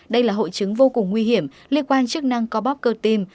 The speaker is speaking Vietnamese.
đây là hội chứng vô cùng nguy hiểm liên quan chức năng co bóp cơ tim